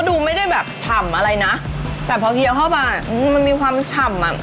ดูไม่ได้แบบฉ่ำอะไรนะแต่พอเคี้ยวเข้ามามันมีความฉ่ำอ่ะ